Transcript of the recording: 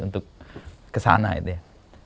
untuk kesana gitu ya